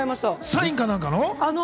サインかなんかの？